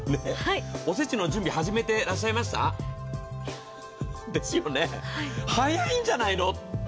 おせちの準備、初めてらっしゃいました？ですよね、早いんじゃないの？